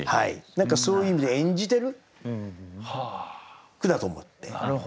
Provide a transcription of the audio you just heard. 何かそういう意味で演じてる句だと思って。